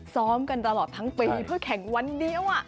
ซ้อมกันตลอดทั้งปีเพื่อแข่งวันเดียว